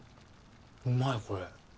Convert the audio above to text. うまいこれ。